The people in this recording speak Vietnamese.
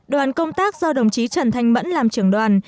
đoàn công tác do đồng chí trần thanh mẫn làm trưởng đoàn